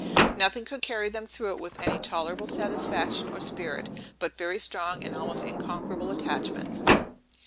Nothing could carry them through it with any tolerable satisfaction or spirit, but very strong and almost unconquerable attachments.